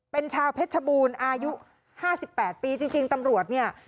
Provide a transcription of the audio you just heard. เป็นชาวเพชรบูรอายุห้าสิบแปดปีจริงจริงตำรวจเนี่ย